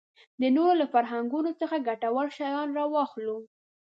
د نورو له فرهنګونو څخه ګټور شیان راواخلو.